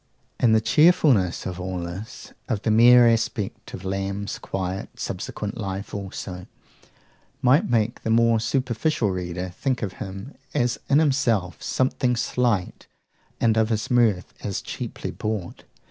And the cheerfulness of all this, of the mere aspect of Lamb's quiet subsequent life also, might make the more superficial reader think of him as in himself something slight, and of his mirth as cheaply bought.